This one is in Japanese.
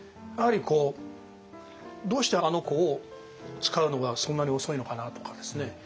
やはりこうどうしてあの子を使うのがそんなに遅いのかなとかですね